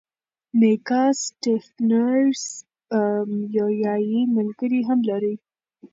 میکا سټیفنز سوریایي ملګری هم لري.